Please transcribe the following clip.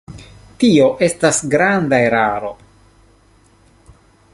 Tio estas granda eraro.